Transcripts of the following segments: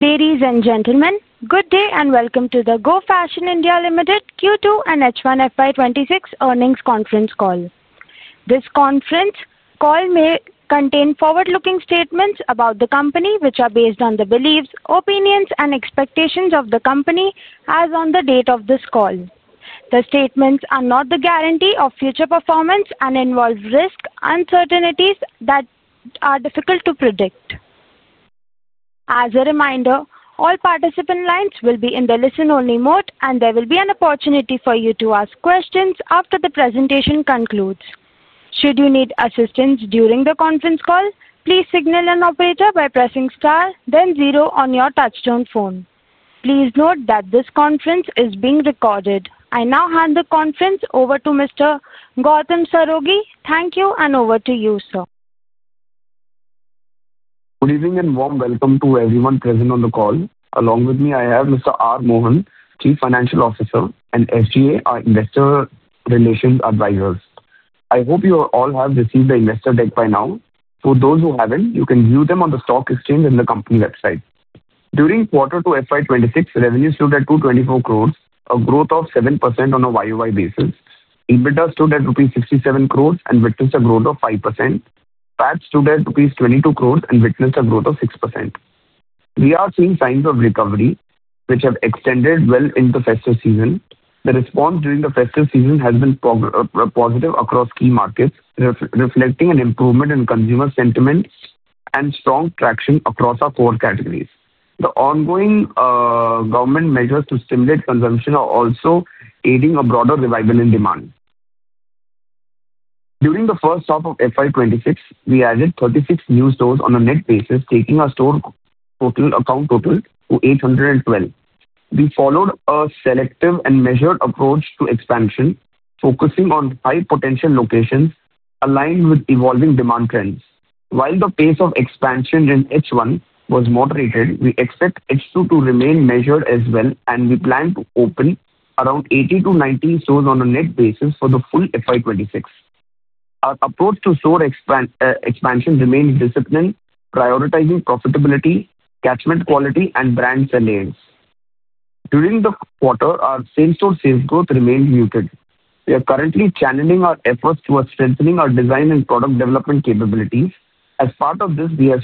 Ladies and gentlemen, good day and welcome to the Go Fashion (India) Limited Q2 and H1FY26 Earnings Conference Call. This conference call may contain forward-looking statements about the company, which are based on the beliefs, opinions, and expectations of the company as on the date of this call. The statements are not the guarantee of future performance and involve risk, uncertainties that are difficult to predict. As a reminder, all participant lines will be in the listen-only mode, and there will be an opportunity for you to ask questions after the presentation concludes. Should you need assistance during the conference call, please signal an operator by pressing star, then zero on your touchstone phone. Please note that this conference is being recorded. I now hand the conference over to Mr. Gautam Saraogi. Thank you, and over to you, sir. Good evening and warm welcome to everyone present on the call. Along with me, I have Mr. R. Mohan, Chief Financial Officer, and SGA, our Investor Relations Advisors. I hope you all have received the investor deck by now. For those who have not, you can view them on the stock exchange and the company website. During Q2 FY 2026, revenues stood at 224 crore, a growth of 7% on a YoY basis. EBITDA stood at rupees 67 crore and witnessed a growth of 5%. PAT stood at rupees 22 crore and witnessed a growth of 6%. We are seeing signs of recovery, which have extended well into Festive season. The response during the Festive season has been positive across key markets, reflecting an improvement in consumer sentiment and strong traction across our core categories. The ongoing government measures to stimulate consumption are also aiding a broader revival in demand. During the first half of FY 2026, we added 36 new stores on a net basis, taking our store total to 812. We followed a selective and measured approach to expansion, focusing on high-potential locations aligned with evolving demand trends. While the pace of expansion in the first half was moderated, we expect H2 to remain measured as well, and we plan to open around 80-90 stores on a net basis for the full FY 2026. Our approach to store expansion remained disciplined, prioritizing profitability, catchment quality, and brand salience. During the quarter, our same-store sales growth remained muted. We are currently channeling our efforts towards strengthening our design and product development capabilities. As part of this, we have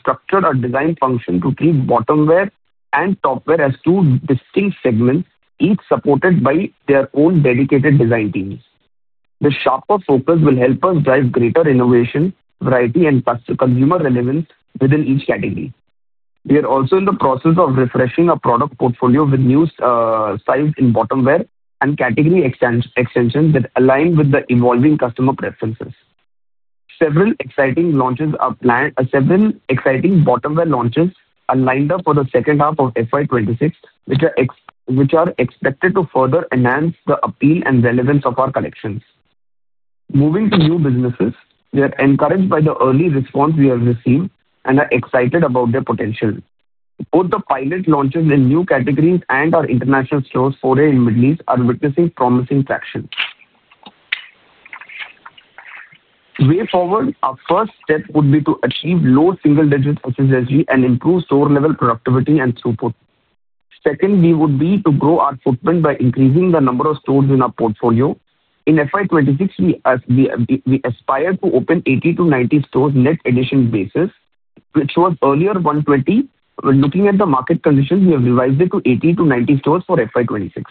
structured our design function to treat bottom-wear and top-wear as two distinct segments, each supported by their own dedicated design teams. The sharper focus will help us drive greater innovation, variety, and consumer relevance within each category. We are also in the process of refreshing our product portfolio with new size in bottom-wear and category extensions that align with the evolving customer preferences. Several exciting launches are planned. Several exciting bottom-wear launches are lined up for the second half of FY 2026, which are expected to further enhance the appeal and relevance of our collections. Moving to new businesses, we are encouraged by the early response we have received and are excited about their potential. Both the pilot launches in new categories and our international stores foray in the Middle East are witnessing promising traction. Way forward, our first step would be to achieve low single-digit SSSG and improve store-level productivity and throughput. Second, we would be to grow our footprint by increasing the number of stores in our portfolio. In FY 2026, we aspire to open 80-90 stores on a net addition basis, which was earlier 120. Looking at the market conditions, we have revised it to 80-90 stores for FY 2026.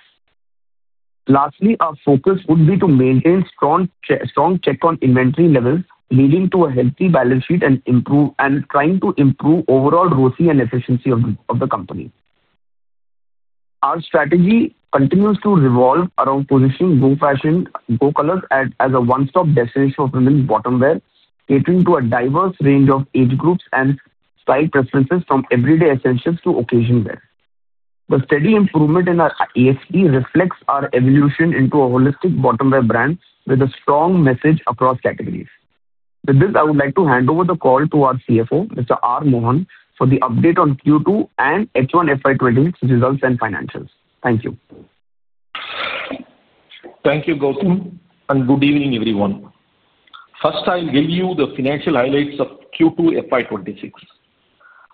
Lastly, our focus would be to maintain strong check on inventory levels, leading to a healthy balance sheet and trying to improve overall ROCE and efficiency of the company. Our strategy continues to revolve around positioning Go Fashion (Go Colors) as a one-stop destination for women's bottom-wear, catering to a diverse range of age groups and style preferences, from everyday essentials to occasion wear. The steady improvement in our ASP reflects our evolution into a holistic bottom-wear brand with a strong message across categories. With this, I would like to hand over the call to our CFO, Mr. R. Mohan, for the update on Q2 and H1 FY 2026 results and financials. Thank you. Thank you, Gautam, and good evening, everyone. First, I'll give you the financial highlights of Q2 FY 2026.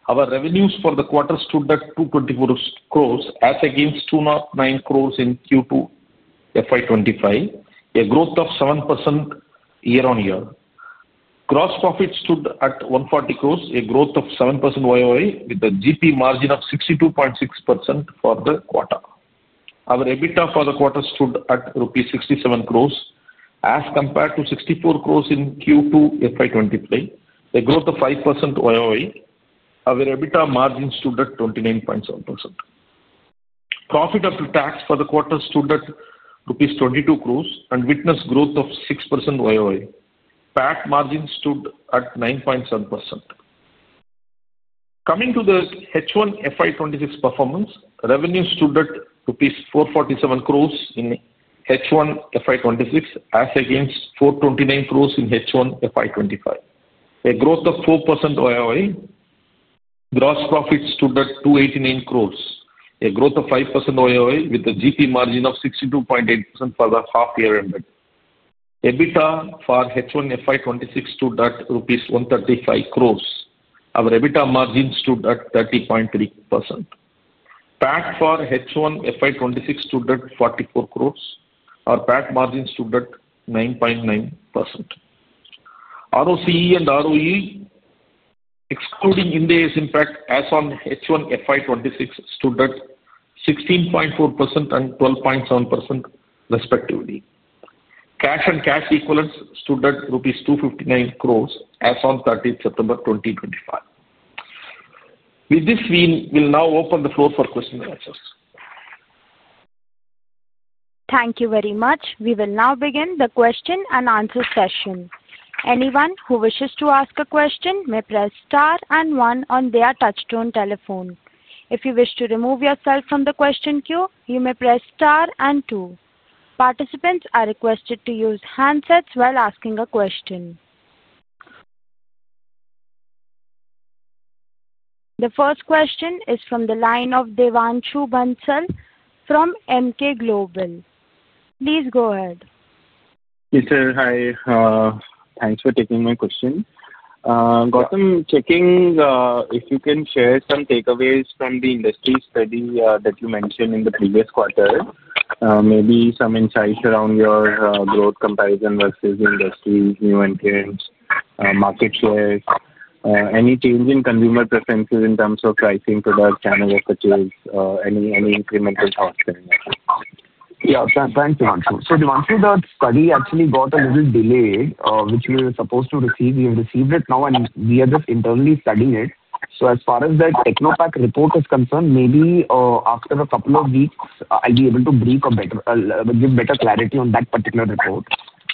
Our revenues for the quarter stood at 224 crores, as against 209 crores in Q2 FY2025, a growth of 7% year-on-year. Gross profit stood at 140 crores, a growth of 7% YoY, with a GP margin of 62.6% for the quarter. Our EBITDA for the quarter stood at rupees 67 crores, as compared to 64 crores in Q2 FY2025, a growth of 5% YoY. Our EBITDA margin stood at 29.7%. Profit after tax for the quarter stood at rupees 22 crores and witnessed growth of 6% YoY. PAT margin stood at 9.7%. Coming to the H1 FY 2026 performance, revenues stood at rupees 447 crores in H1 FY 2026, as against 429 crores in H1 FY2025, a growth of 4% YoY. Gross profit stood at 289 crore, a growth of 5% YoY, with a GP margin of 62.8% for the half-year ended. EBITDA for H1 FY 2026 stood at rupees 135 crore. Our EBITDA margin stood at 30.3%. PAT for H1 FY 2026 stood at 44 crore. Our PAT margin stood at 9.9%. ROCE and ROE, excluding in-day impact as on H1 FY 2026, stood at 16.4% and 12.7%, respectively. Cash and cash equivalents stood at rupees 259 crore, as on 30th September 2025. With this, we will now open the floor for questions and answers. Thank you very much. We will now begin the question and answer session. Anyone who wishes to ask a question may press star and one on their touchstone telephone. If you wish to remove yourself from the question queue, you may press star and two. Participants are requested to use handsets while asking a question. The first question is from the line of Devanshu Bansal from Emkay Global. Please go ahead. Hi, thanks for taking my question. Gautam, checking if you can share some takeaways from the industry study that you mentioned in the previous quarter, maybe some insights around your growth comparison versus the industry, new entrants, market shares, any change in consumer preferences in terms of pricing, products, channel of purchase, any incremental thoughts? Yeah, thanks, Devanshu. So, Devanshu, the study actually got a little delayed, which we were supposed to receive. We have received it now, and we are just internally studying it. As far as that Technopak report is concerned, maybe after a couple of weeks, I'll be able to give better clarity on that particular report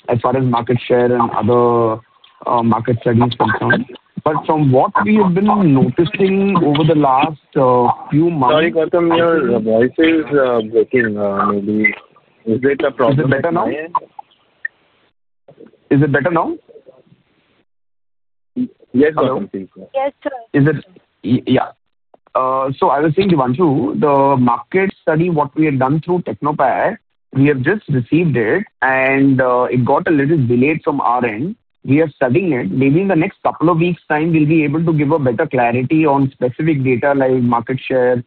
as far as market share and other market studies are concerned. From what we have been noticing over the last few months. Sorry, Gautam, your voice is breaking. Maybe is it a problem? Is it better now? Yes, Gautam. Yes, sir. Yeah. So, I was saying, Devanshu, the market study, what we have done through Technopak, we have just received it, and it got a little delayed from our end. We are studying it. Maybe in the next couple of weeks' time, we'll be able to give better clarity on specific data like market share,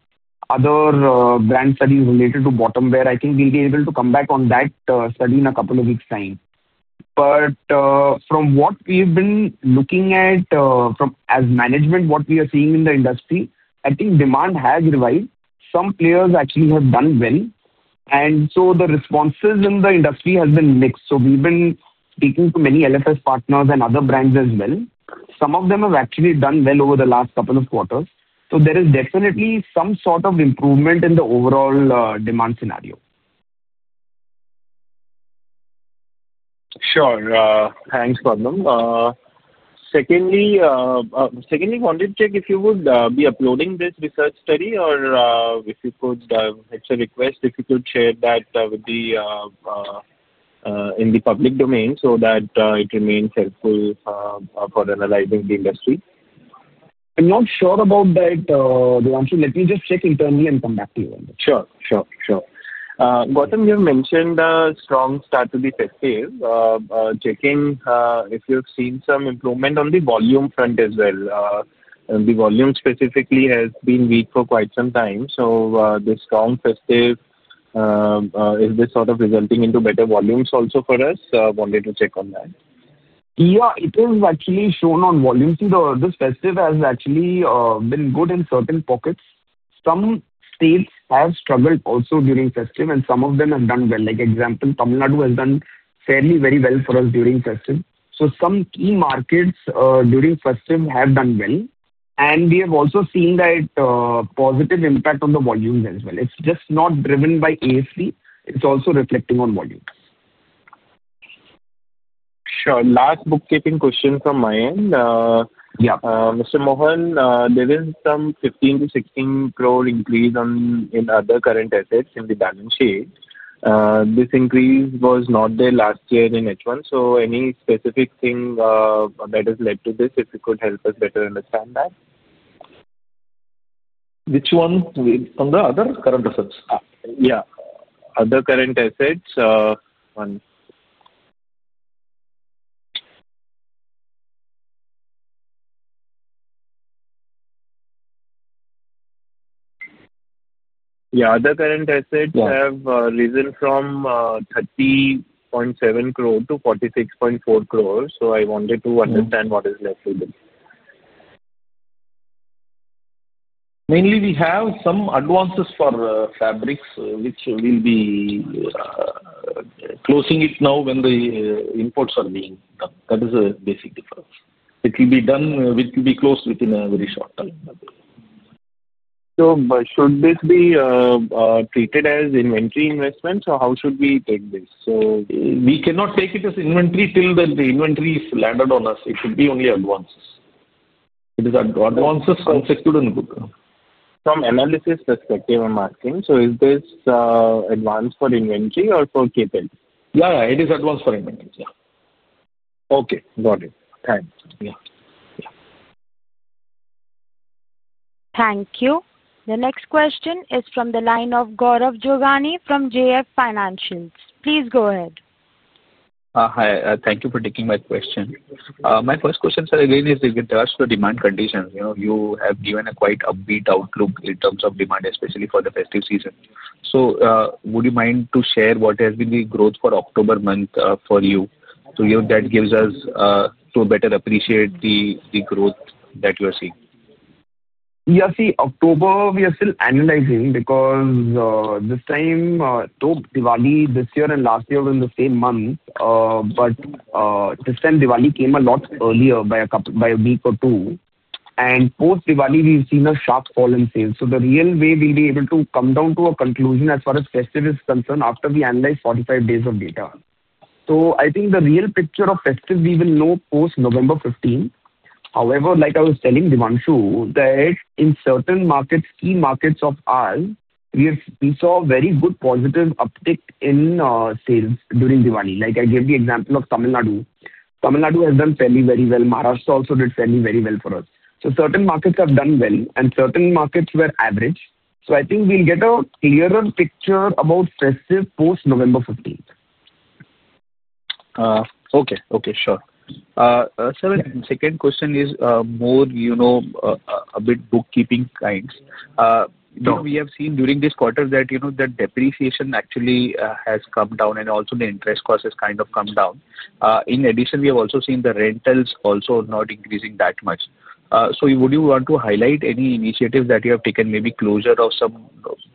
other brand studies related to bottom-wear. I think we'll be able to come back on that study in a couple of weeks' time. From what we've been looking at as management, what we are seeing in the industry, I think demand has revised. Some players actually have done well, and the responses in the industry have been mixed. We've been speaking to many LFS partners and other brands as well. Some of them have actually done well over the last couple of quarters. There is definitely some sort of improvement in the overall demand scenario. Sure. Thanks, Gautam. Secondly, Gautam, if you would be uploading this research study or if you could, it's a request, if you could share that with the public domain so that it remains helpful for analyzing the industry. I'm not sure about that, Devanshu. Let me just check internally and come back to you. Sure, sure, sure. Gautam, you've mentioned a strong start to the Festive, checking if you've seen some improvement on the volume front as well. The volume specifically has been weak for quite some time. This strong Festive, is this sort of resulting into better volumes also for us? Wanted to check on that. Yeah, it is actually shown on volume. See, this Festiveal has actually been good in certain pockets. Some states have struggled also during Festive, and some of them have done well. Like example, Tamil Nadu has done fairly very well for us during Festive. Some key markets during Festive have done well. We have also seen that positive impact on the volumes as well. It is just not driven by ASP. It is also reflecting on volumes. Sure. Last bookkeeping question from my end. Mr. Mohan, there is some 15-16 crore increase in other current assets in the balance sheet. This increase was not there last year in H1. Any specific thing that has led to this, if you could help us better understand that? Which one? On the other current assets? Yeah, other current assets. Yeah, other current assets have risen from 30.7 crore to 46.4 crore. I wanted to understand what is left with it. Mainly, we have some advances for fabrics, which we'll be closing it now when the imports are being done. That is a basic difference. It will be done, which will be closed within a very short time. Should this be treated as inventory investment, or how should we take this? We cannot take it as inventory till the inventory is landed on us. It should be only advances. It is advances consisted in. From analysis perspective on marketing, is this advance for inventory or for capital? Yeah, yeah, it is advance for inventory. Okay, got it. Thanks. Thank you. The next question is from the line of Gaurav Jogani from JM Financial. Please go ahead. Hi, thank you for taking my question. My first question, sir, again, is with regards to demand conditions. You have given a quite upbeat outlook in terms of demand, especially for the Festive season. Would you mind to share what has been the growth for October month for you? That gives us to better appreciate the growth that you are seeing. Yeah, see, October, we are still analyzing because this time, Post-Diwali this year and last year were in the same month. This time, Diwali came a lot earlier by a week or two. Post-Diwali, we've seen a sharp fall in sales. The real way we'll be able to come down to a conclusion as far as Festive is concerned is after we analyze 45 days of data. I think the real picture of Festive, we will know post-November 15th. However, like I was telling Devanshu, in certain markets, key markets of ours, we saw very good positive uptick in sales during Diwali. Like I gave the example of Tamil Nadu. Tamil Nadu has done fairly very well. Maharashtra also did fairly very well for us. Certain markets have done well, and certain markets were average. I think we'll get a clearer picture about Festive post-November 15th. Okay, okay, sure. Sir, my second question is more a bit bookkeeping kind. We have seen during this quarter that the depreciation actually has come down, and also the interest cost has kind of come down. In addition, we have also seen the rentals also not increasing that much. Would you want to highlight any initiatives that you have taken, maybe closure of some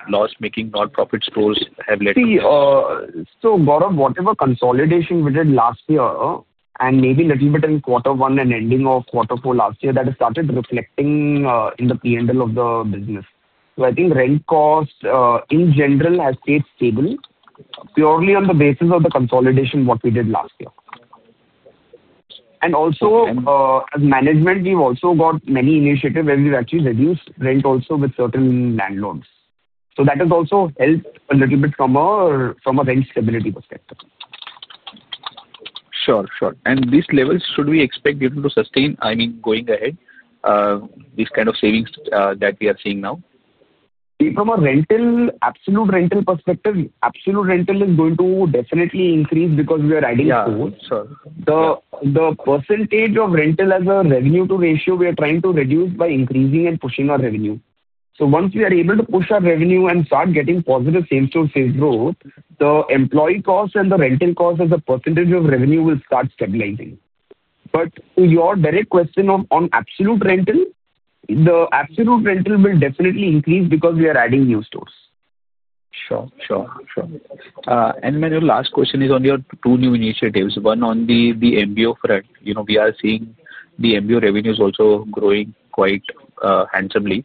loss-making nonprofit stores have led to? See, Gaurav, whatever consolidation we did last year, and maybe a little bit in quarter one and ending of quarter four last year, that has started reflecting in the P&L of the business. I think rent cost in general has stayed stable purely on the basis of the consolidation we did last year. Also, as management, we've got many initiatives where we've actually reduced rent also with certain landlords. That has also helped a little bit from a rent stability perspective. Sure, sure. Should we expect these levels to sustain, I mean, going ahead, this kind of savings that we are seeing now? See, from a rental, absolute rental perspective, absolute rental is going to definitely increase because we are adding stores. The percentage of rental as a revenue-to-ratio, we are trying to reduce by increasing and pushing our revenue. Once we are able to push our revenue and start getting positive same-store sales growth, the employee cost and the rental cost as a percentage of revenue will start stabilizing. To your direct question on absolute rental, the absolute rental will definitely increase because we are adding new stores. Sure, sure, sure. My last question is on your two new initiatives. One on the MBO front. We are seeing the MBO revenues also growing quite handsomely.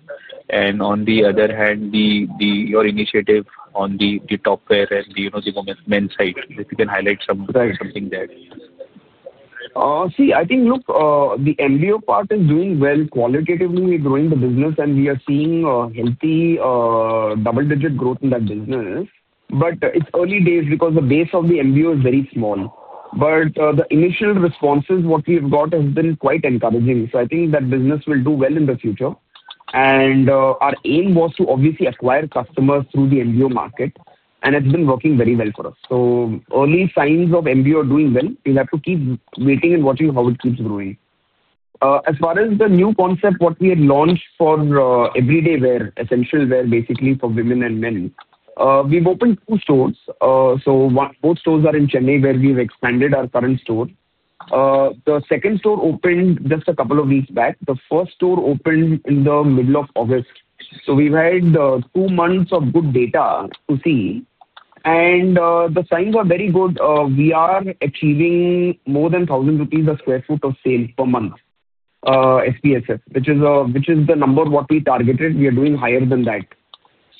On the other hand, your initiative on the top-wear and the men's side. If you can highlight something there. See, I think, look, the MBO part is doing well qualitatively. We're growing the business, and we are seeing healthy double-digit growth in that business. It is early days because the base of the MBO is very small. The initial responses, what we've got, has been quite encouraging. I think that business will do well in the future. Our aim was to obviously acquire customers through the MBO market, and it's been working very well for us. Early signs of MBO are doing well. We have to keep waiting and watching how it keeps growing. As far as the new concept, what we had launched for everyday wear, essential wear, basically for women and men, we've opened two stores. Both stores are in Chennai, where we've expanded our current store. The second store opened just a couple of weeks back. The first store opened in the middle of August. We have had two months of good data to see. The signs are very good. We are achieving more than 1,000 rupees per sq ft of sale per month, SPSF, which is the number we targeted. We are doing higher than that.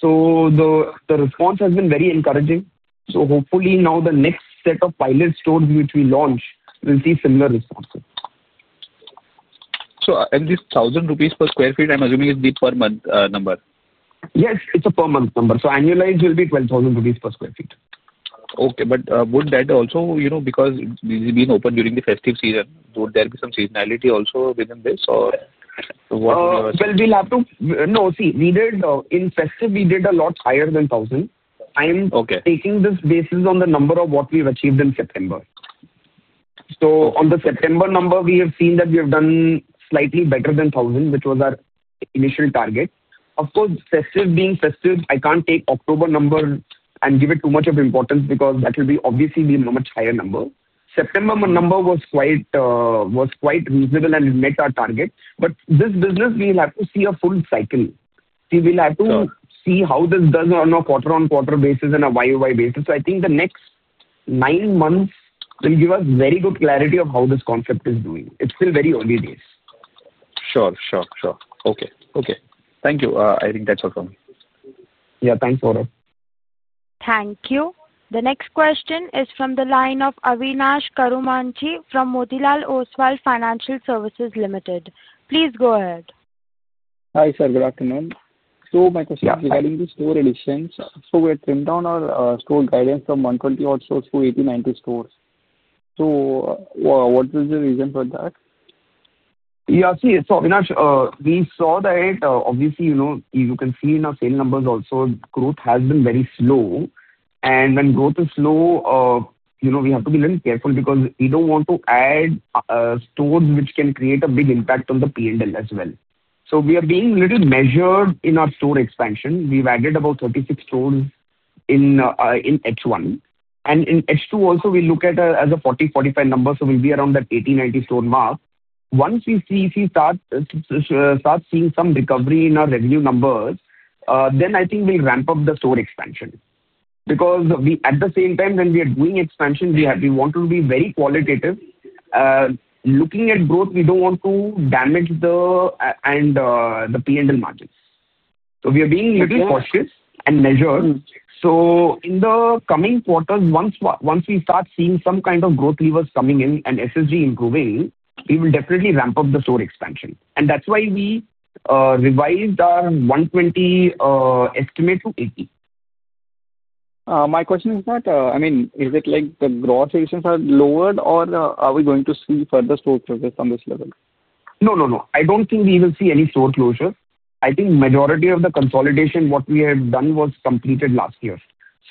The response has been very encouraging. Hopefully now the next set of pilot stores which we launch will see similar responses. So, and this 1,000 rupees per sq ft, I'm assuming it's the per-month number? Yes, it's a per-month number. So, annualized will be 12,000 rupees per sq ft. Okay, but would that also, because this has been open during the Festive season, would there be some seasonality also within this or what? We have to, no, see, in Festive, we did a lot higher than 1,000. I'm taking this basis on the number of what we've achieved in September. On the September number, we have seen that we have done slightly better than 1,000, which was our initial target. Of course, Festive being Festive, I can't take October number and give it too much of importance because that will obviously be a much higher number. September number was quite reasonable and met our target. This business, we have to see a full cycle. We have to see how this does on a quarter-on-quarter basis and a YoY basis. I think the next nine months will give us very good clarity of how this concept is doing. It's still very early days. Sure, okay. Thank you. I think that's all from me. Yeah, thanks, Gaurav. Thank you. The next question is from the line of Avinash Karumanchi from Motilal Oswal Financial Services Limited. Please go ahead. Hi, sir. Good afternoon. My question is regarding the store additions. We have trimmed down our store guidance from 120 odd stores to 80-90 stores. What was the reason for that? Yeah, see, so Avinash, we saw that obviously you can see in our sale numbers also, growth has been very slow. When growth is slow, we have to be a little careful because we do not want to add stores which can create a big impact on the P&L as well. We are being a little measured in our store expansion. We have added about 36 stores in H1. In H2 also, we look at as a 40-45 number, so we will be around that 80-90 store mark. Once we start seeing some recovery in our revenue numbers, then I think we will ramp up the store expansion. At the same time when we are doing expansion, we want to be very qualitative. Looking at growth, we do not want to damage the P&L margins. We are being a little cautious and measured. In the coming quarters, once we start seeing some kind of growth levers coming in and SSSG improving, we will definitely ramp up the store expansion. That is why we revised our 120 estimate to 80. My question is that, I mean, is it like the growth ratios are lowered or are we going to see further store closures on this level? No, no, no. I do not think we will see any store closures. I think majority of the consolidation what we have done was completed last year.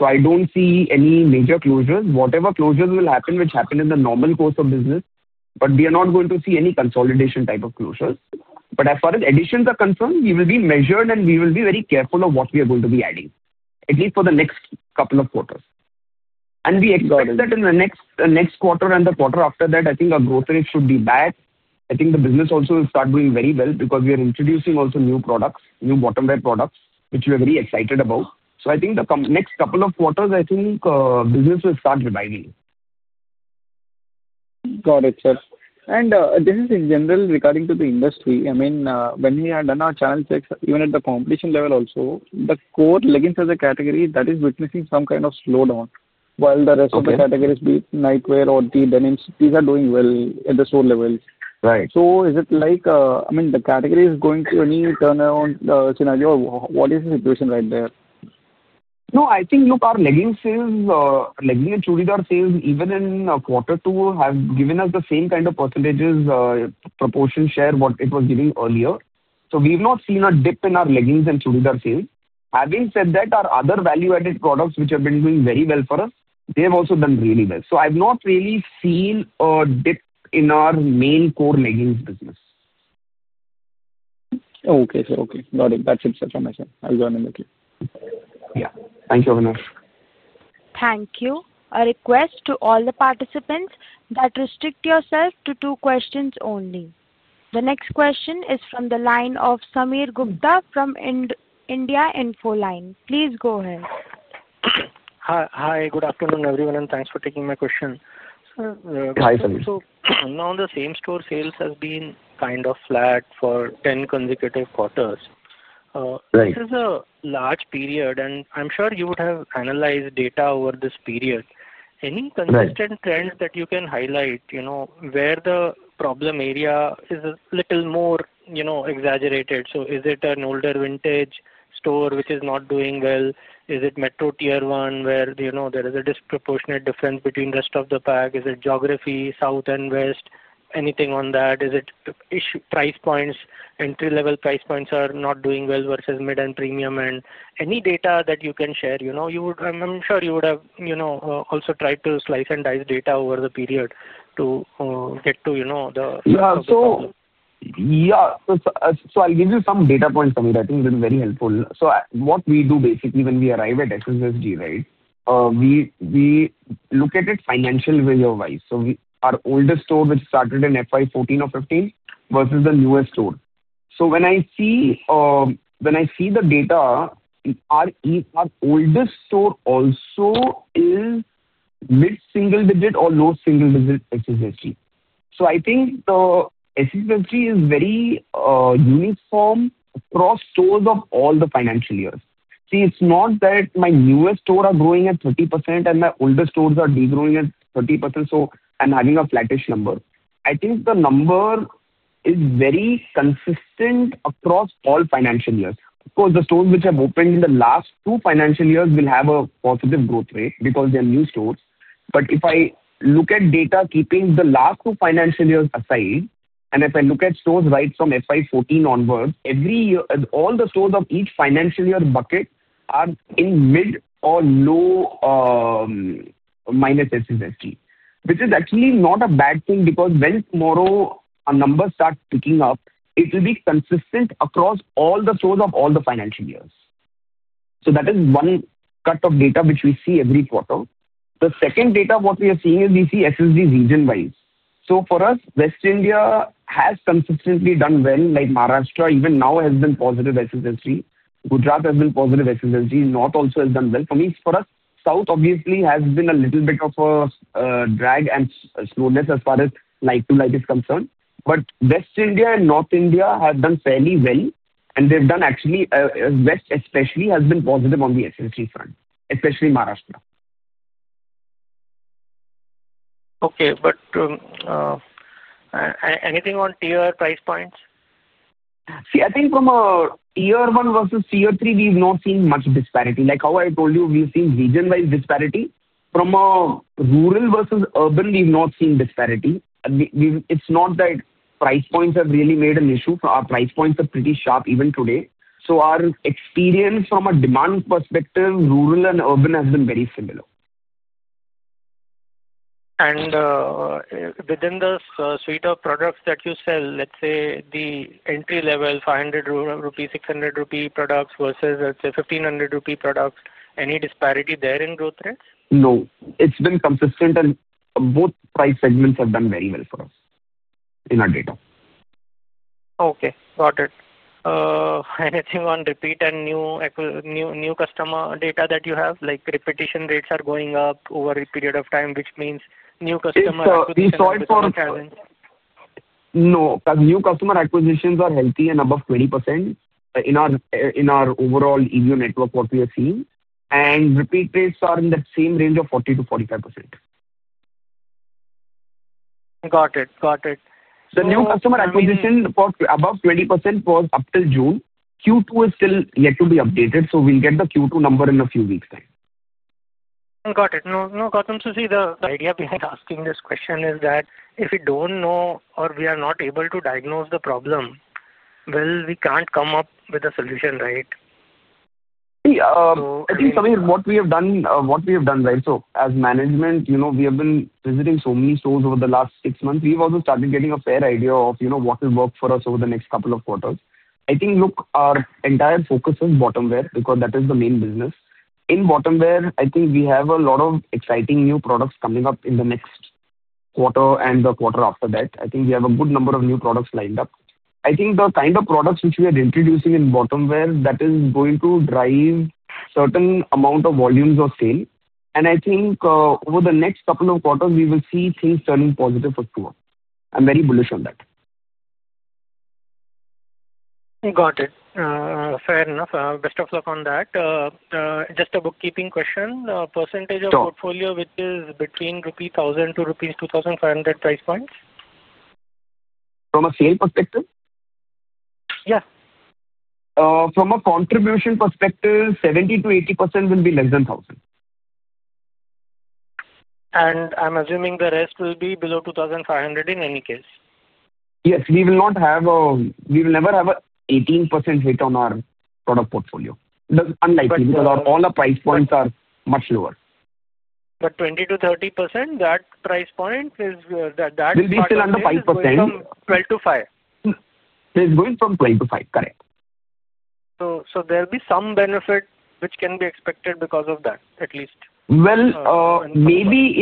I do not see any major closures. Whatever closures will happen, which happen in the normal course of business, but we are not going to see any consolidation type of closures. As far as additions are concerned, we will be measured and we will be very careful of what we are going to be adding, at least for the next couple of quarters. We expect that in the next quarter and the quarter after that, I think our growth rate should be back. I think the business also will start doing very well because we are introducing also new products, new bottom-wear products, which we are very excited about. I think the next couple of quarters, I think business will start revising. Got it, sir. This is in general regarding the industry. I mean, when we have done our channel checks, even at the competition level also, the core leggings as a category is witnessing some kind of slowdown, while the rest of the categories, be it nightwear or tee, denim, these are doing well at the store levels. Is it like, I mean, the category is going into any turnaround scenario? What is the situation right there? No, I think, look, our leggings sales, leggings and churidar sales, even in quarter two, have given us the same kind of percentages, proportion share what it was giving earlier. We have not seen a dip in our leggings and churidar sales. Having said that, our other value-added products, which have been doing very well for us, they have also done really well. I have not really seen a dip in our main core leggings business. Okay, sir. Okay. Got it. That's it, sir. Thank you. Yeah. Thank you, Avinash. Thank you. A request to all the participants that restrict yourself to two questions only. The next question is from the line of Sameer Gupta from India Infoline. Please go ahead. Hi, good afternoon, everyone, and thanks for taking my question. Hi, Sameer. Now the same store sales has been kind of flat for 10 consecutive quarters. This is a large period, and I'm sure you would have analyzed data over this period. Any consistent trends that you can highlight where the problem area is a little more exaggerated? Is it an older vintage store which is not doing well? Is it Metro Tier 1 where there is a disproportionate difference between the rest of the pack? Is it geography, south and west, anything on that? Is it price points, entry-level price points are not doing well versus mid and premium? Any data that you can share, I'm sure you would have also tried to slice and dice data over the period to get to the. Yeah, so I'll give you some data points, Sameer. I think it will be very helpful. What we do basically when we arrive at SSSG, right, we look at it financial year-wise. Our oldest store, which started in FY 2014 or FY 2015, versus the newest store. When I see the data, our oldest store also is mid-single digit or low single digit SSSG. I think the SSSG is very uniform across stores of all the financial years. It's not that my newest stores are growing at 30% and my older stores are degrowing at 30% and having a flattish number. I think the number is very consistent across all financial years. Of course, the stores which have opened in the last two financial years will have a positive growth rate because they are new stores. If I look at data keeping the last two financial years aside, and if I look at stores right from FY 2014 onwards, all the stores of each financial year bucket are in mid or low minus SSSG, which is actually not a bad thing because when tomorrow our numbers start picking up, it will be consistent across all the stores of all the financial years. That is one cut of data which we see every quarter. The second data what we are seeing is we see SSSG region-wise. For us, West India has consistently done well, like Maharashtra even now has been positive SSSG. Gujarat has been positive SSSG. North also has done well. For us, South obviously has been a little bit of a drag and slowness as far as like-to-like is concerned. West India and North India have done fairly well, and they've done actually West especially has been positive on the SSG front, especially Maharashtra. Okay, but anything on Tier price points? See, I think from Tier 1 versus Tier 3, we've not seen much disparity. Like how I told you, we've seen region-wise disparity. From a rural versus urban, we've not seen disparity. It's not that price points have really made an issue. Our price points are pretty sharp even today. Our experience from a demand perspective, rural and urban has been very similar. Within the suite of products that you sell, let's say the entry-level 500-600 rupee products versus, let's say, 1,500 rupee products, any disparity there in growth rates? No. It's been consistent, and both price segments have done very well for us in our data. Okay. Got it. Anything on repeat and new customer data that you have, like repetition rates are going up over a period of time, which means new customer acquisition is healthy? No, new customer acquisitions are healthy and above 20% in our overall EU network what we have seen. Repeat rates are in that same range of 40-45%. Got it. Got it. The new customer [crsstalk] acquisition above 20% was up till June. Q2 is still yet to be updated, so we'll get the Q2 number in a few weeks' time. Got it. No, Gautam, so see, the idea behind asking this question is that if we don't know or we are not able to diagnose the problem, well, we can't come up with a solution, right? See, I think Sameer, what we have done, right, as management, we have been visiting so many stores over the last six months. We've also started getting a fair idea of what will work for us over the next couple of quarters. I think, look, our entire focus is bottom-wear because that is the main business. In bottom-wear, I think we have a lot of exciting new products coming up in the next quarter and the quarter after that. I think we have a good number of new products lined up. I think the kind of products which we are introducing in bottom-wear, that is going to drive certain amount of volumes or sale. I think over the next couple of quarters, we will see things turning positive for sure. I'm very bullish on that. Got it. Fair enough. Best of luck on that. Just a bookkeeping question. Percentage of portfolio which is between 1,000-2,500 rupees price points? From a sale perspective? Yeah. From a contribution perspective, 70-80% will be less than 1,000. I'm assuming the rest will be below 2,500 in any case. Yes. We will not have a we will never have an 18% hit on our product portfolio. That's unlikely because all our price points are much lower. 20%-30%, that price point is that. Will be still under 5%. 12 to 5. It's going from 12 to 5 times. Correct. There will be some benefit which can be expected because of that, at least. Maybe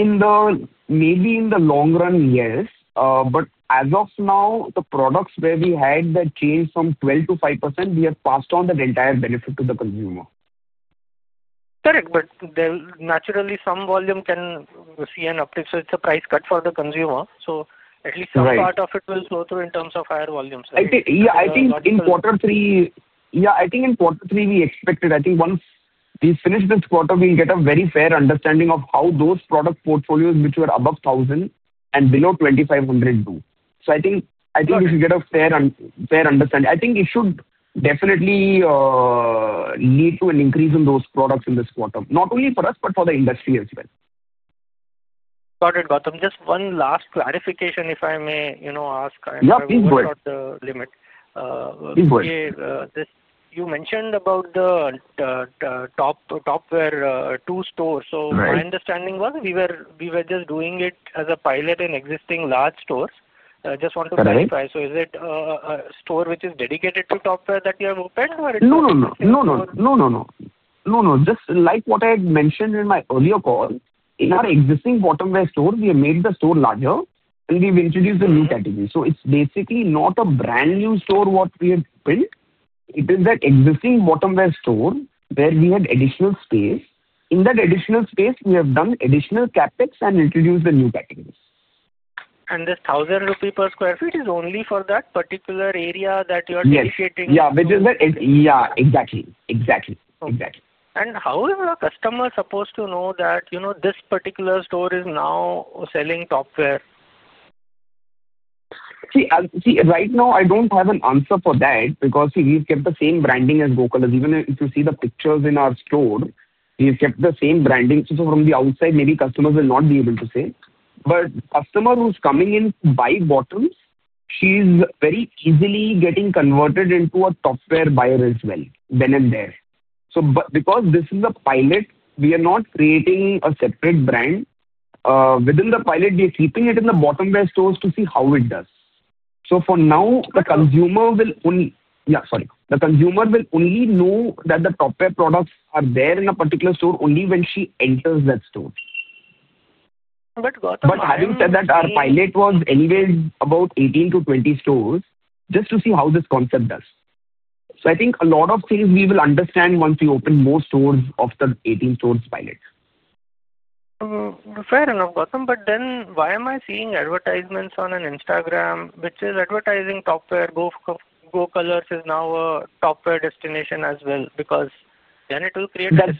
in the long run, yes. But as of now, the products where we had that change from 12%-5%, we have passed on that entire benefit to the consumer. Correct. Naturally, some volume can see an uptick, so it's a price cut for the consumer. At least some part of it will flow through in terms of higher volumes. Yeah, I think in quarter three, we expected, I think once we finish this quarter, we'll get a very fair understanding of how those product portfolios which were above 1,000 and below 2,500 do. I think we should get a fair understanding. I think it should definitely lead to an increase in those products in this quarter, not only for us, but for the industry as well. Got it, Gautam. Just one last clarification, if I may ask. Yeah, please go ahead. About the limit. You mentioned about the top-wear two stores. My understanding was we were just doing it as a pilot in existing large stores. I just want to clarify. Is it a store which is dedicated to top-wear that you have opened, or it's? No, no, no. Just like what I had mentioned in my earlier call, in our existing bottom-wear store, we have made the store larger, and we've introduced a new category. So it's basically not a brand new store what we have built. It is that existing bottom-wear store where we have additional space. In that additional space, we have done additional CapEx and introduced the new categories. Is the INR 1,000 per sq ft only for that particular area that you are dedicating? Yeah, exactly. How is our customer supposed to know that this particular store is now selling top-wear? See, right now, I don't have an answer for that because, see, we've kept the same branding as Go Colors. Even if you see the pictures in our store, we've kept the same branding. From the outside, maybe customers will not be able to see. A customer who's coming in to buy bottoms, she's very easily getting converted into a top-wear buyer as well, then and there. Because this is a pilot, we are not creating a separate brand. Within the pilot, we're keeping it in the bottom-wear stores to see how it does. For now, the consumer will only—yeah, sorry. The consumer will only know that the top-wear products are there in a particular store only when she enters that store. But Gautam. Having said that, our pilot was anyways about 18-20 stores, just to see how this concept does. I think a lot of things we will understand once we open more stores of the 18 stores pilot. Fair enough, Gautam. But then why am I seeing advertisements on Instagram, which is top-wear? Go Colors is now a top-wear destination as well because then it will create a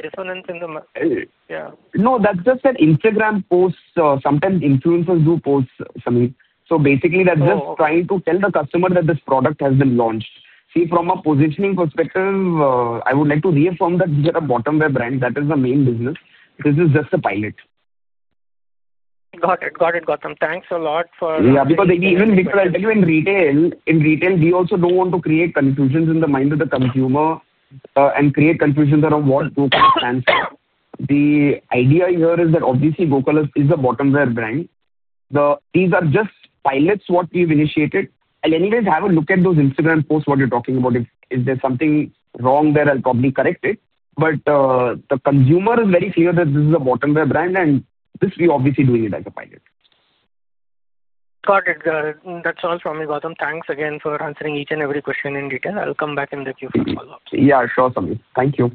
resonance in the, yeah. No, that's just that Instagram posts, sometimes influencers do post, Sameer. Basically, that's just trying to tell the customer that this product has been launched. See, from a positioning perspective, I would like to reaffirm that we are a bottom-wear brand. That is the main business. This is just a pilot. Got it. Got it, Gautam. Thanks a lot for. Yeah, because even I'll tell you, in retail, we also don't want to create confusions in the mind of the consumer and create confusions around what [Go Colors] stands for. The idea here is that obviously Go Colors is a bottom-wear brand. These are just pilots what we've initiated. I'll anyways have a look at those Instagram posts, what you're talking about. If there's something wrong there, I'll probably correct it. The consumer is very clear that this is a bottom-wear brand, and we're obviously doing it as a pilot. Got it. That's all from me, Gautam. Thanks again for answering each and every question in detail. I'll come back in the Q&A follow-up. Yeah, sure, Sameer. Thank you.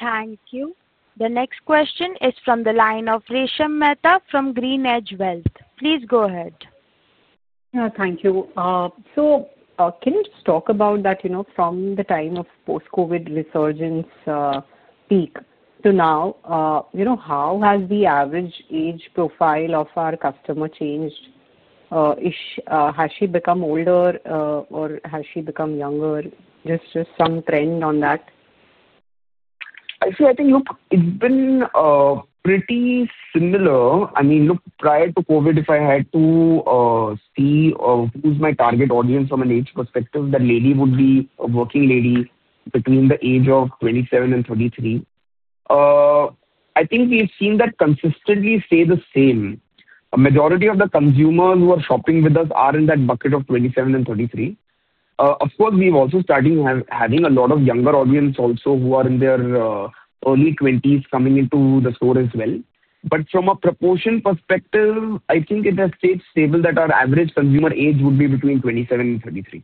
Thank you. The next question is from the line of Resha Mehta from GreenEdge Wealth. Please go ahead. Thank you. Can you just talk about that from the time of post-COVID resurgence peak to now, how has the average age profile of our customer changed? Has she become older, or has she become younger? Just some trend on that. See, I think it's been pretty similar. I mean, look, prior to COVID, if I had to see who's my target audience from an age perspective, that lady would be a working lady between the age of 27-33. I think we've seen that consistently stay the same. A majority of the consumers who are shopping with us are in that bucket of 27-33. Of course, we've also started having a lot of younger audience also who are in their early 20s coming into the store as well. From a proportion perspective, I think it has stayed stable that our average consumer age would be between 27-33.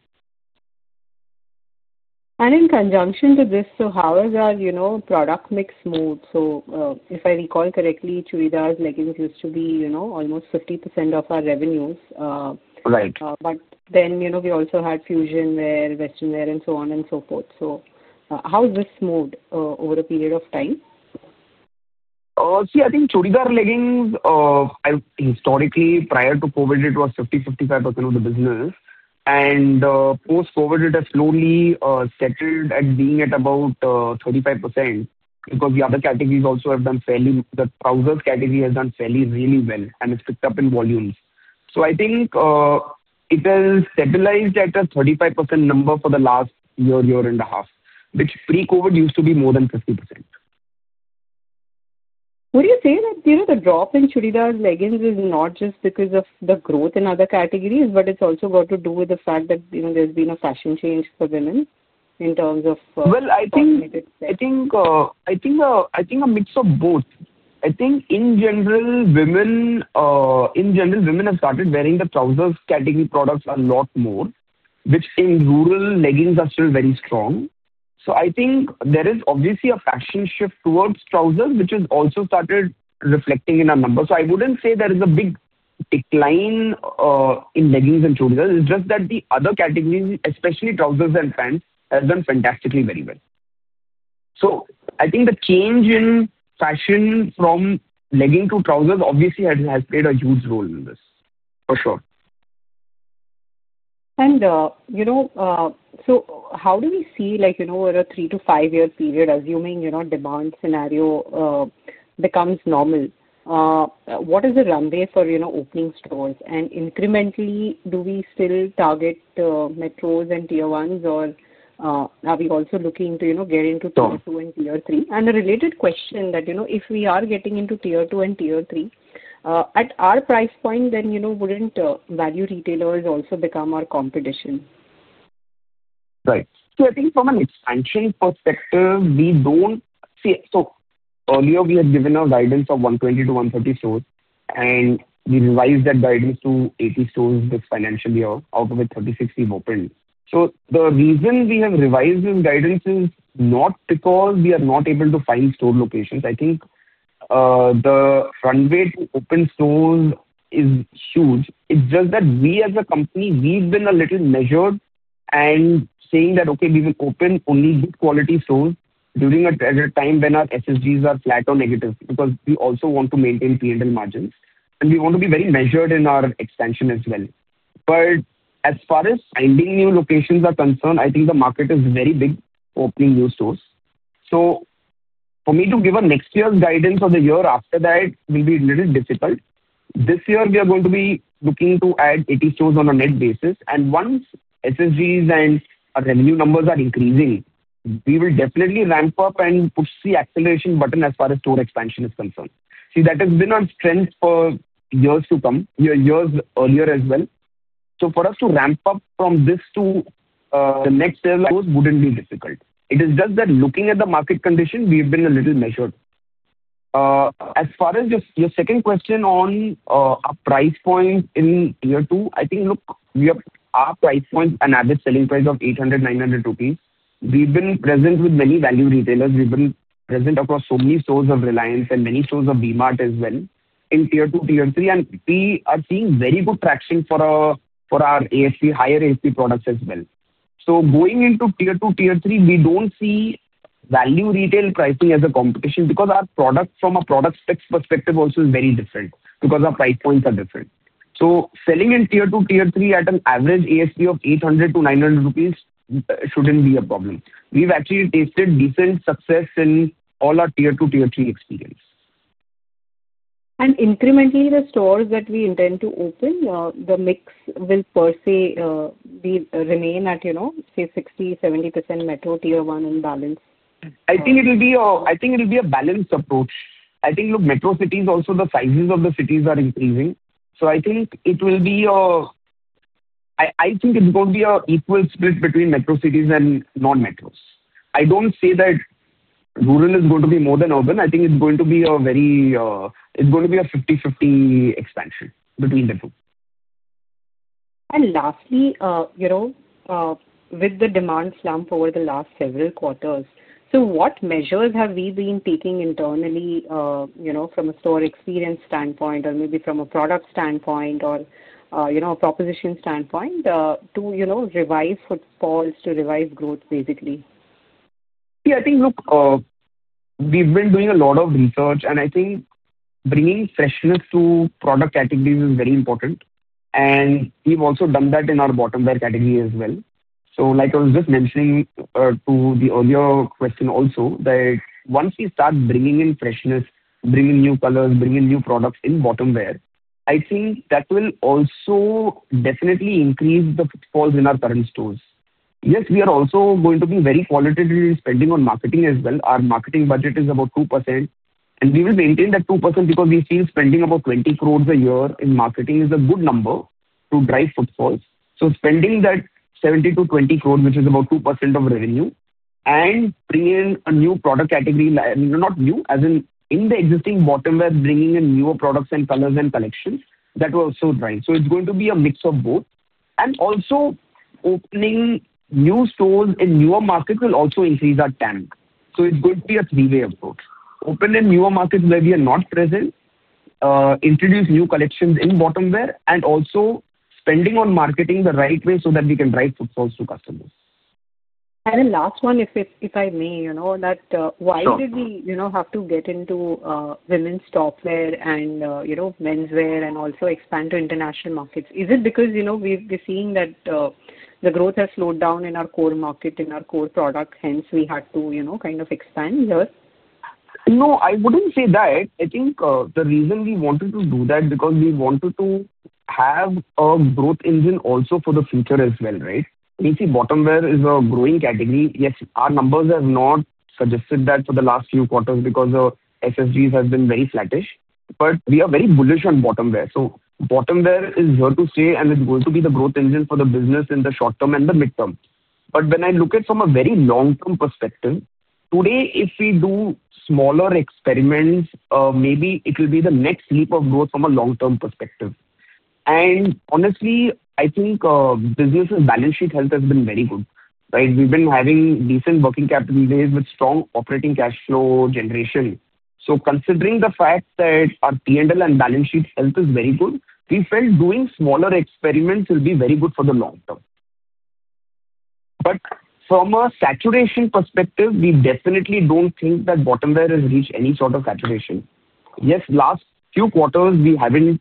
In conjunction to this, how has our product mix moved? If I recall correctly, churidars and leggings used to be almost 50% of our revenues. Then we also had fusion wear, western wear, and so on and so forth. How has this moved over a period of time? See, I think churidar leggings, historically, prior to COVID, it was 50-55% of the business. Post-COVID, it has slowly settled at being at about 35% because the other categories also have done fairly, the trousers category has done fairly really well, and it has picked up in volumes. I think it has stabilized at a 35% number for the last year, year and a half, which pre-COVID used to be more than 50%. Would you say that the drop in churidar's leggings is not just because of the growth in other categories, but it's also got to do with the fact that there's been a fashion change for women in terms of. I think a mix of both. I think in general, women have started wearing the trousers category products a lot more, which in rural leggings are still very strong. I think there is obviously a fashion shift towards trousers, which has also started reflecting in our numbers. I would not say there is a big decline in leggings and churidars. It is just that the other categories, especially trousers and pants, have done fantastically very well. I think the change in fashion from leggings to trousers obviously has played a huge role in this, for sure. How do we see over a three-five-year period, assuming demand scenario becomes normal, what is the runway for opening stores? Incrementally, do we still target metros and Tier 1s, or are we also looking to get into Tier 2-Tier 3? A related question, if we are getting into Tier 2-Tier 3, at our price point, then would not value retailers also become our competition? Right. I think from an expansion perspective, we do not see it. Earlier, we had given our guidance of 120-130 stores, and we revised that guidance to 80 stores this financial year out of the 36 we have opened. The reason we have revised these guidances is not because we are not able to find store locations. I think the runway to open stores is huge. It is just that we as a company, we have been a little measured and saying that, "Okay, we will open only good quality stores during a time when our SSSGs are flat or negative," because we also want to maintain P&L margins. We want to be very measured in our expansion as well. As far as finding new locations are concerned, I think the market is very big for opening new stores. For me to give a next year's guidance or the year after that will be a little difficult. This year, we are going to be looking to add 80 stores on a net basis. Once SSSGs and revenue numbers are increasing, we will definitely ramp up and push the acceleration button as far as store expansion is concerned. That has been our strength for years to come, years earlier as well. For us to ramp up from this to the next level stores would not be difficult. It is just that looking at the market condition, we've been a little measured. As far as your second question on our price point in Tier 2, I think, look, our price point, an average selling price of INR 800-NR 900. We've been present with many value retailers. We've been present across so many stores of Reliance Retail and many stores of B-Mart as well in Tier 2-Tier 3. We are seeing very good traction for our higher ASP products as well. Going into Tier 2-Tier 3, we do not see value retail pricing as a competition because our product from a product specs perspective also is very different because our price points are different. Selling in Tier 2-Tier 3 at an average ASP of 800-900 rupees should not be a problem. We have actually tasted decent success in all our Tier 2-Tier 3 experience. Incrementally, the stores that we intend to open, the mix will per se remain at, say, 60-70% metro, Tier 1, and balance? I think it will be a balanced approach. I think, look, metro cities, also the sizes of the cities are increasing. So I think it's going to be an equal split between metro cities and non-metros. I don't say that rural is going to be more than urban. I think it's going to be a 50/50 expansion between the two. Lastly, with the demand slump over the last several quarters, what measures have we been taking internally from a store experience standpoint or maybe from a product standpoint or a proposition standpoint to revive footfalls, to revive growth, basically? See, I think, look, we've been doing a lot of research, and I think bringing freshness to product categories is very important. We've also done that in our bottom-wear category as well. Like I was just mentioning to the earlier question also, once we start bringing in freshness, bringing new colors, bringing new products in bottom-wear, I think that will also definitely increase the footfalls in our current stores. Yes, we are also going to be very qualitatively spending on marketing as well. Our marketing budget is about 2%. We will maintain that 2% because we've seen spending about 20 crores a year in marketing is a good number to drive footfalls. Spending that 70-20 crores, which is about 2% of revenue, and bringing in a new product category—not new, as in in the existing bottom-wear, bringing in newer products and colors and collections—that will also drive. It is going to be a mix of both. Also, opening new stores in newer markets will also increase our TAM. It is going to be a three-way approach: open in newer markets where we are not present, introduce new collections in bottom-wear, and also spending on marketing the right way so that we can drive footfalls to customers. A last one, if I may, that why did we have to get into women's top-wear and menswear and also expand to international markets? Is it because we've been seeing that the growth has slowed down in our core market, in our core product, hence we had to kind of expand here? No, I wouldn't say that. I think the reason we wanted to do that is because we wanted to have a growth engine also for the future as well, right? You see, bottom-wear is a growing category. Yes, our numbers have not suggested that for the last few quarters because SSSGs have been very flattish. We are very bullish on bottom-wear. Bottom-wear is here to stay, and it's going to be the growth engine for the business in the short term and the midterm. When I look at it from a very long-term perspective, today, if we do smaller experiments, maybe it will be the next leap of growth from a long-term perspective. Honestly, I think business's balance sheet health has been very good, right? We've been having decent working capital days with strong operating cash flow generation. Considering the fact that our P&L and balance sheet health is very good, we felt doing smaller experiments will be very good for the long term. From a saturation perspective, we definitely do not think that bottom-wear has reached any sort of saturation. Yes, last few quarters, we have not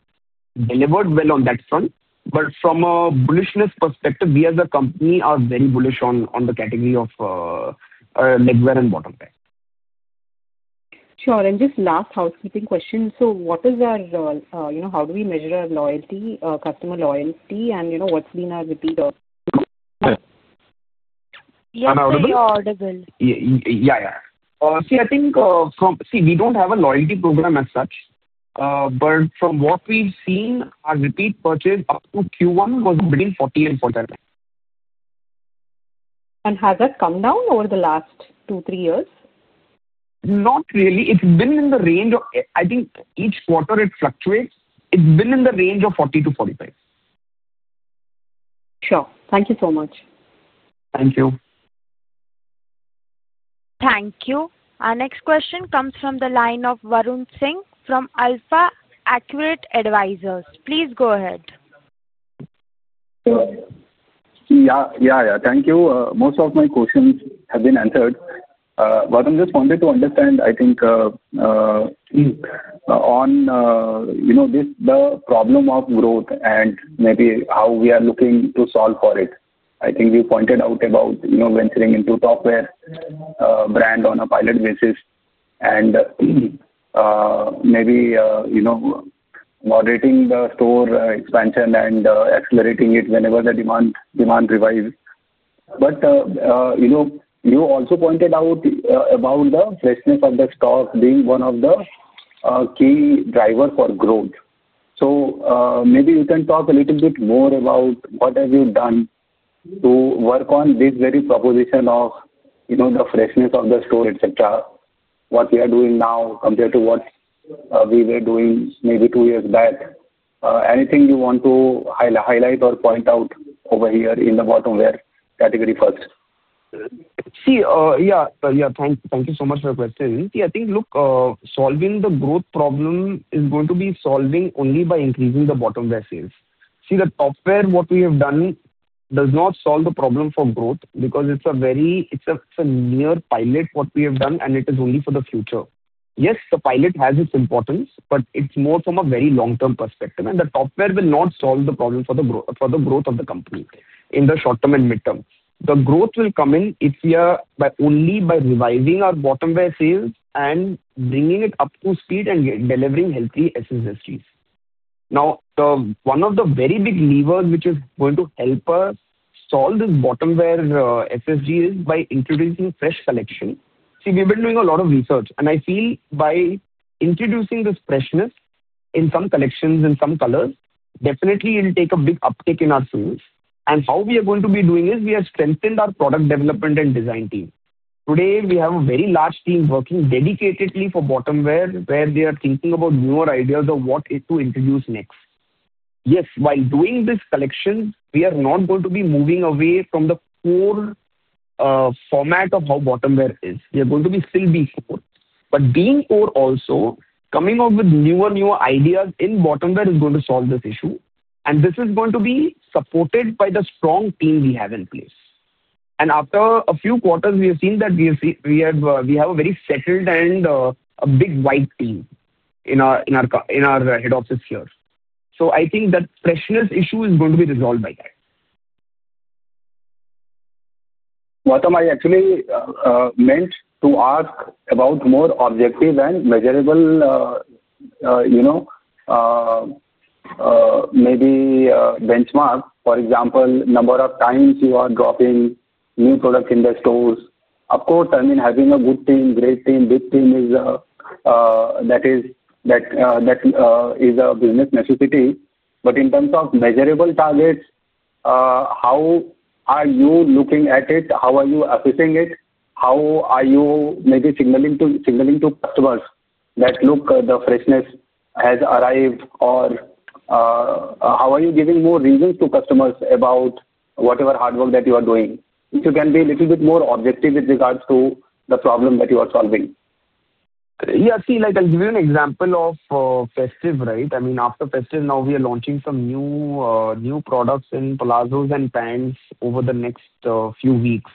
delivered well on that front. From a bullishness perspective, we as a company are very bullish on the category of legwear and bottom-wear. Sure. Just last housekeeping question. What is our, how do we measure our customer loyalty, and what's been our repeat? Inaudible? Yeah, audible. Yeah, yeah. See, I think from, see, we don't have a loyalty program as such. But from what we've seen, our repeat purchase up to Q1 was between 40-45%. Has that come down over the last two-three years? Not really. It's been in the range of, I think each quarter it fluctuates. It's been in the range of 40-45. Sure. Thank you so much. Thank you. Thank you. Our next question comes from the line of Varun Singh from AlfAccurate Advisors. Please go ahead. Thank you. Most of my questions have been answered. I just wanted to understand, I think, on the problem of growth and maybe how we are looking to solve for it. I think you pointed out about venturing into top-wear brand on a pilot basis and maybe moderating the store expansion and accelerating it whenever the demand revises. You also pointed out about the freshness of the stock being one of the key drivers for growth. Maybe you can talk a little bit more about what you have done to work on this very proposition of the freshness of the store, what we are doing now compared to what we were doing maybe two years back. Anything you want to highlight or point out over here in the bottom-wear category first? Yeah, thank you so much for the question. See, I think, look, solving the growth problem is going to be solved only by increasing the bottom-wear sales. The top-wear, what we have done, does not solve the problem for growth because it is a near pilot, what we have done, and it is only for the future. Yes, the pilot has its importance, but it is more from a very long-term perspective. The top-wear will not solve the problem for the growth of the company in the short term and midterm. The growth will come in only by revising our bottom-wear sales and bringing it up to speed and delivering healthy SSSGs. Now, one of the very big levers which is going to help us solve this bottom-wear SSSG is by introducing fresh collection. We have been doing a lot of research. I feel by introducing this freshness in some collections, in some colors, definitely it will take a big uptick in our sales. How we are going to be doing is we have strengthened our product development and design team. Today, we have a very large team working dedicatedly for bottom-wear where they are thinking about newer ideas of what to introduce next. Yes, while doing this collection, we are not going to be moving away from the core format of how bottom-wear is. We are going to still be core. Being core also, coming up with newer and newer ideas in bottom-wear is going to solve this issue. This is going to be supported by the strong team we have in place. After a few quarters, we have seen that we have a very settled and a big wide team in our head offices here. I think that freshness issue is going to be resolved by that. Gautam, I actually meant to ask about more objective and measurable, maybe benchmark, for example, number of times you are dropping new products in the stores. Of course, I mean, having a good team, great team, big team is a business necessity. In terms of measurable targets, how are you looking at it? How are you assessing it? How are you maybe signaling to customers that, "Look, the freshness has arrived"? How are you giving more reasons to customers about whatever hard work that you are doing? If you can be a little bit more objective with regards to the problem that you are solving. Yeah, see, I'll give you an example of Festive, right? I mean, after Festive, now we are launching some new products in palazzos and pants over the next few weeks.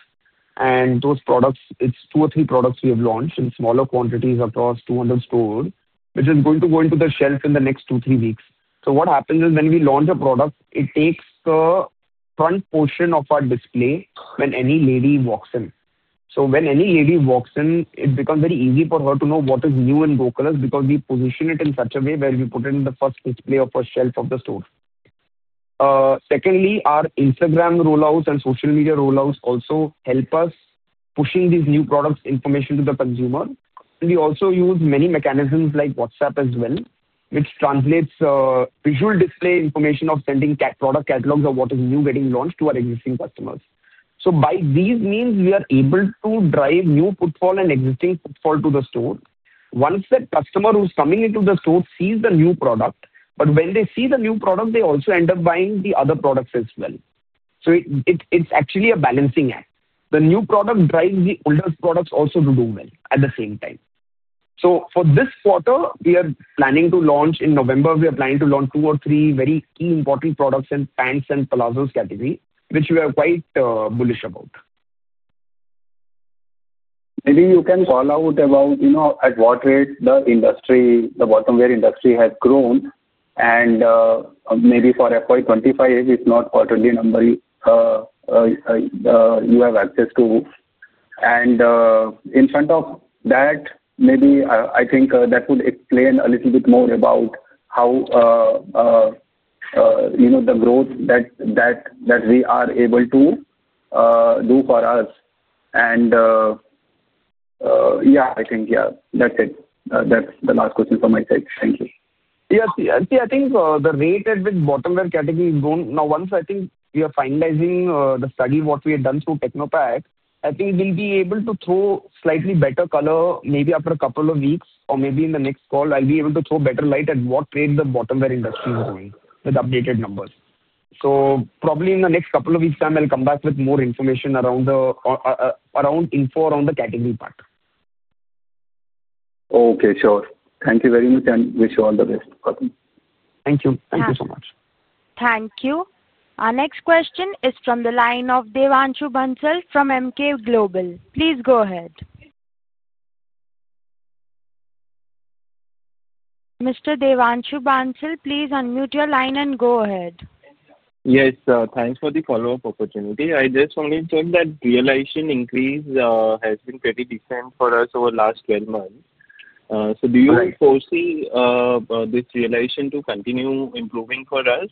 And those products, it's two-three products we have launched in smaller quantities across 200 stores, which is going to go into the shelf in the next two-three weeks. What happens is when we launch a product, it takes the front portion of our display when any lady walks in. When any lady walks in, it becomes very easy for her to know what is new in Go Colors because we position it in such a way where we put it in the first display or first shelf of the store. Secondly, our Instagram rollouts and social media rollouts also help us push these new product information to the consumer. We also use many mechanisms like WhatsApp as well, which translates visual display information of sending product catalogs of what is new getting launched to our existing customers. By these means, we are able to drive new footfall and existing footfall to the store. Once the customer who's coming into the store sees the new product, when they see the new product, they also end up buying the other products as well. It's actually a balancing act. The new product drives the older products also to do well at the same time. For this quarter, we are planning to launch in November, we are planning to launch two-three very key important products in pants and palazzos category, which we are quite bullish about. Maybe you can call out about at what rate the industry, the bottom-wear industry has grown. Maybe for FY 2025, if it's not quarterly number, you have access to. In front of that, I think that would explain a little bit more about how the growth that we are able to do for us. Yeah, I think that's it. That's the last question from my side. Thank you. Yes, see, I think the rate at which bottom-wear category is growing, now once I think we are finalizing the study what we have done through Technopak, I think we'll be able to throw slightly better color maybe after a couple of weeks or maybe in the next call, I'll be able to throw better light at what rate the bottom-wear industry is growing with updated numbers. Probably in the next couple of weeks, I'll come back with more information around info around the category part. Okay, sure. Thank you very much and wish you all the best, Gautam. Thank you. Thank you so much. Thank you. Our next question is from the line of Devanshu Bansal from Emkay Global. Please go ahead. Mr. Devanshu Bansal, please unmute your line and go ahead. Yes, thanks for the follow-up opportunity. I just wanted to say that realization increase has been pretty decent for us over the last 12 months. Do you foresee this realization to continue improving for us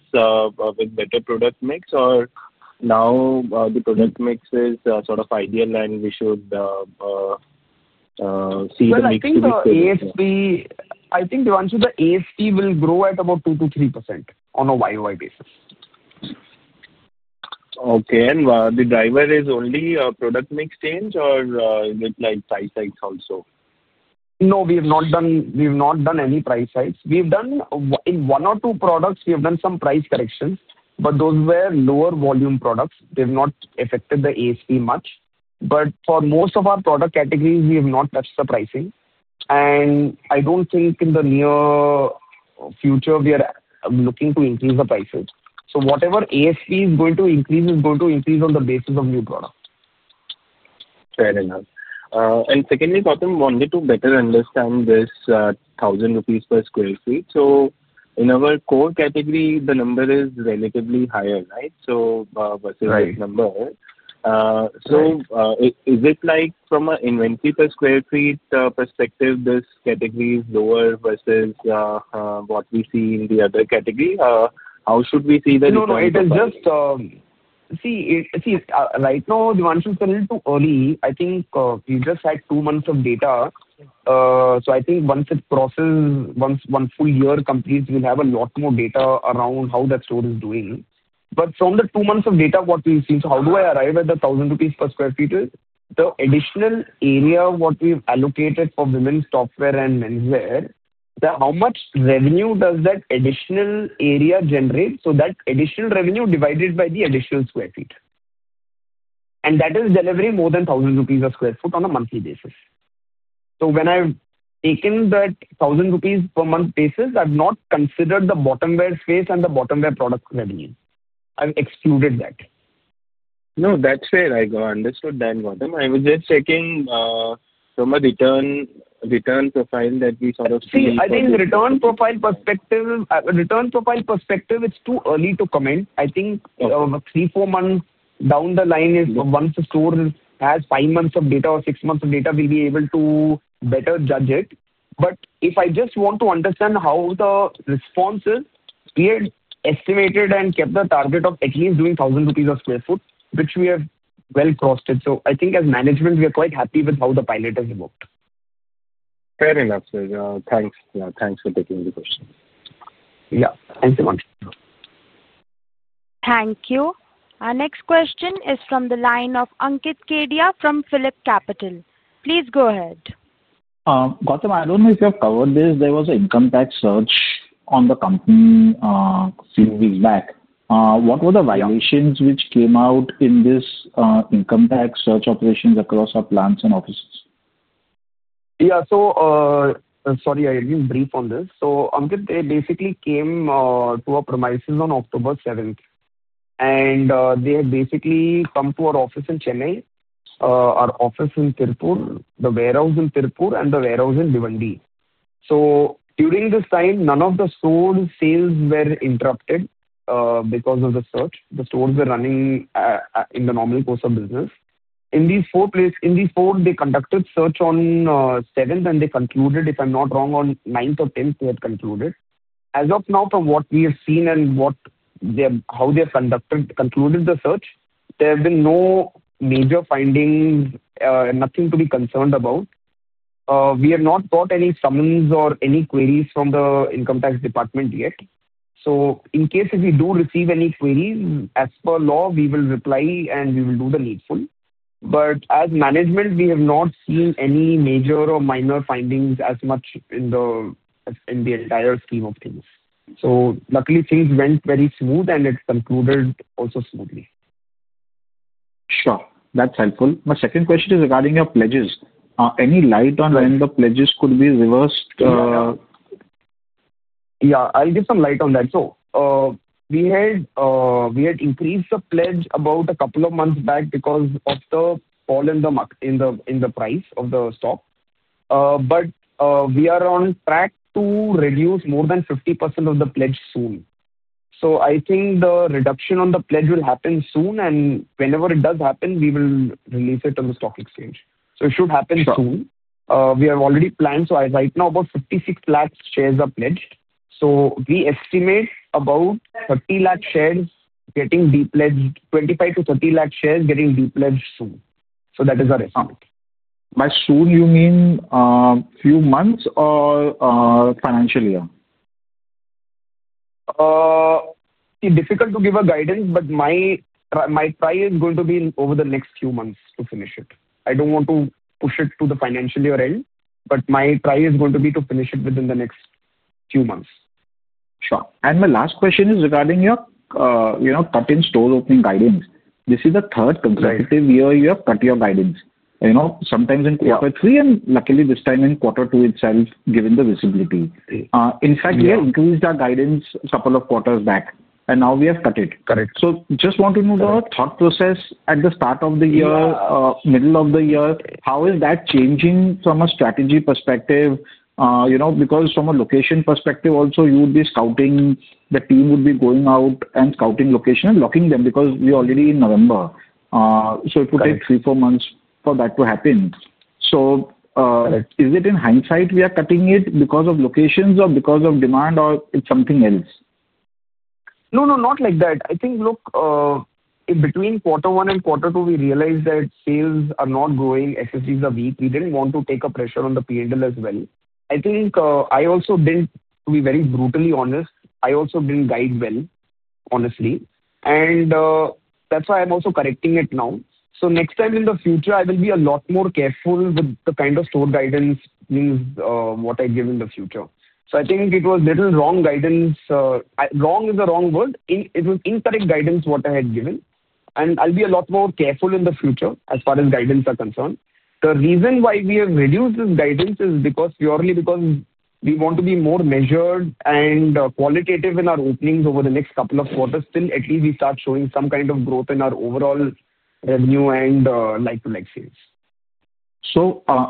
with better product mix, or now the product mix is sort of ideal and we should see the next few quarters? I think the ASP, I think Devanshu, the ASP will grow at about 2%-3% on a YoY basis. Okay. The driver is only product mix change or is it like price hikes also? No, we have not done any price hikes. We've done in one-two products, we have done some price corrections, but those were lower volume products. They have not affected the ASP much. For most of our product categories, we have not touched the pricing. I don't think in the near future we are looking to increase the prices. Whatever ASP is going to increase is going to increase on the basis of new product. Fair enough. Secondly, Gautam, wanted to better understand this 1,000 rupees per sq ft. In our core category, the number is relatively higher, right, so versus this number. Is it like from an inventory per square feet perspective, this category is lower versus what we see in the other category? How should we see that? No, no, it is just, see, see, right now, Devanshu said it is too early. I think you just had two months of data. I think once it processes, once one full year completes, we will have a lot more data around how that store is doing. From the two months of data, what we have seen—how do I arrive at the 1,000 rupees per sq ft? The additional area we have allocated for women's top-wear and menswear, how much revenue does that additional area generate? That additional revenue divided by the additional square feet, and that is delivering more than 1,000 rupees a sq ft on a monthly basis. When I have taken that 1,000 rupees per month basis, I have not considered the bottom-wear space and the bottom-wear product revenue. I have excluded that. No, that's fair. I understood that, Gautam. I was just checking from a return profile that we sort of see. I think return profile perspective, it's too early to comment. I think three-four months down the line, once the store has five months of data or six months of data, we'll be able to better judge it. If I just want to understand how the response is, we had estimated and kept the target of at least doing 1,000 rupees a sq ft, which we have well crossed. I think as management, we are quite happy with how the pilot has worked. Fair enough. Thanks. Yeah, thanks for taking the question. Yeah, thanks so much. Thank you. Our next question is from the line of Ankit Kedia from Phillip Capital. Please go ahead. Gautam, I don't know if you have covered this. There was an income tax search on the company a few weeks back. What were the violations which came out in this income tax search operations across our plants and offices? Yeah, sorry, I'll be brief on this. Ankit basically came to our premises on October 7th. They had basically come to our office in Chennai, our office in Tirupur, the warehouse in Tirupur, and the warehouse in Bhiwandi. During this time, none of the store sales were interrupted because of the search. The stores were running in the normal course of business. In these four places, in these four, they conducted the search on the 7th, and they concluded, if I'm not wrong, on the 9th-10th, they had concluded. As of now, from what we have seen and how they have conducted, concluded the search, there have been no major findings, nothing to be concerned about. We have not got any summons or any queries from the income tax department yet. In case if we do receive any queries, as per law, we will reply and we will do the needful. As management, we have not seen any major or minor findings as much in the entire scheme of things. Luckily, things went very smooth and it concluded also smoothly. Sure. That's helpful. My second question is regarding your pledges. Any light on when the pledges could be reversed? Yeah, I'll give some light on that. We had increased the pledge about a couple of months back because of the fall in the price of the stock. We are on track to reduce more than 50% of the pledge soon. I think the reduction on the pledge will happen soon. Whenever it does happen, we will release it on the stock exchange. It should happen soon. We have already planned. Right now, about 56 lakh shares are pledged. We estimate about 30 lakh shares getting depledged, 2.5 lakh-3.0 lakh shares getting depledged soon. That is our estimate. By soon, you mean few months or financial year? See, difficult to give a guidance, but my try is going to be over the next few months to finish it. I do not want to push it to the financial year end, but my try is going to be to finish it within the next few months. Sure. My last question is regarding your cut-in store opening guidance. This is the third consecutive year you have cut your guidance, sometimes in quarter three, and luckily this time in quarter two itself, given the visibility. In fact, we have increased our guidance a couple of quarters back, and now we have cut it. I just want to know the thought process at the start of the year, middle of the year, how is that changing from a strategy perspective? From a location perspective, also, you would be scouting, the team would be going out and scouting location and locking them because we are already in November. It would take three-four months for that to happen. Is it in hindsight we are cutting it because of locations or because of demand or is it something else? No, no, not like that. I think, look, in between quarter one and quarter two, we realized that sales are not growing. SSSGs are weak. We did not want to take a pressure on the P&L as well. I think I also did not, to be very brutally honest, I also did not guide well, honestly. That is why I am also correcting it now. Next time in the future, I will be a lot more careful with the kind of store guidance, means what I give in the future. I think it was a little wrong guidance. Wrong is the wrong word. It was incorrect guidance what I had given. I will be a lot more careful in the future as far as guidance are concerned. The reason why we have reduced this guidance is purely because we want to be more measured and qualitative in our openings over the next couple of quarters. Still, at least we start showing some kind of growth in our overall revenue and like-to-like sales.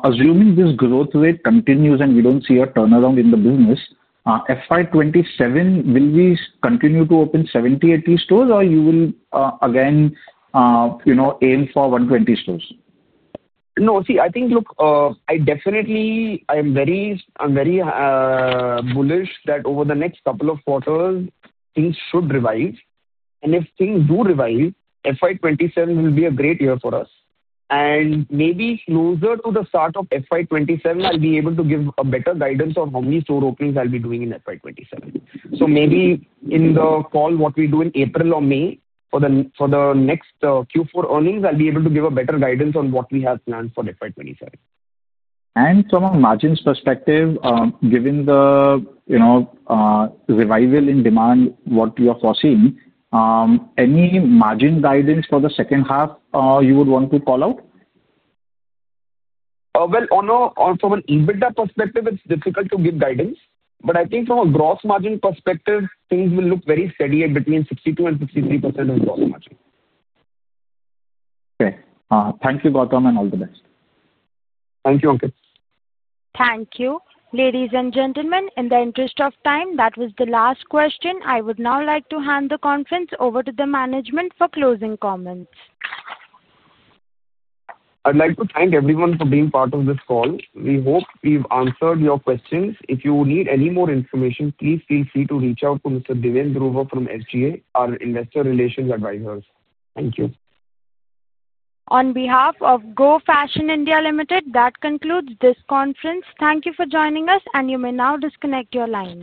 Assuming this growth rate continues and we don't see a turnaround in the business, in FY2027, will we continue to open 70-80 stores, or will you again aim for 120 stores? No, see, I think, look, I definitely am very bullish that over the next couple of quarters, things should revive. If things do revive, FY2027 will be a great year for us. Maybe closer to the start of FY2027, I'll be able to give a better guidance on how many store openings I'll be doing in FY2027. Maybe in the call, what we do in April-May for the next Q4 earnings, I'll be able to give a better guidance on what we have planned for FY2027. From a margins perspective, given the revival in demand, what you are foreseeing, any margin guidance for the second half you would want to call out? On a from an EBITDA perspective, it's difficult to give guidance. But I think from a gross margin perspective, things will look very steady at between 62%-63% of gross margin. Okay. Thank you, Gautam, and all the best. Thank you, Ankit. Thank you. Ladies and gentlemen, in the interest of time, that was the last question. I would now like to hand the conference over to the management for closing comments. I'd like to thank everyone for being part of this call. We hope we've answered your questions. If you need any more information, please feel free to reach out to Mr. Divendruva from SGA, our investor relations advisors. Thank you [crosstalk}. On behalf of Go Fashion India Limited, that concludes this conference. Thank you for joining us, and you may now disconnect your line.